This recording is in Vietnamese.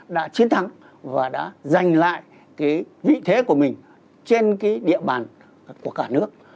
đã chiến thắng và đã giành lại cái vị thế của mình trên cái địa bàn của cả nước